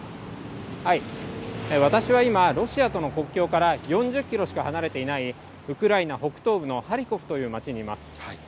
私は今、ロシアとの国境から４０キロしか離れていない、ウクライナ北東部のハリコフという町にいます。